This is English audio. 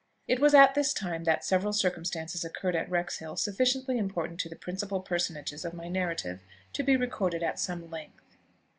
It was at this time that several circumstances occurred at Wrexhill sufficiently important to the principal personages of my narrative to be recorded at some length.